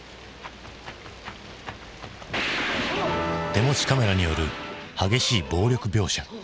手持ちカメラによる激しい暴力描写。